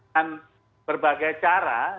dan berbagai cara